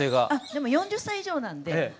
でも４０歳以上なので。